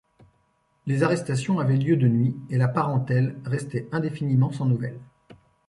Les arrestations avaient lieu de nuit et la parentèle restait indéfiniment sans nouvelles.